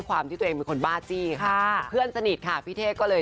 อ่าแบบนี้เลย